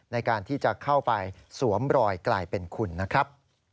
ในการที่จะเข้าไปสวมรอยกลายเป็นคุณนะครับ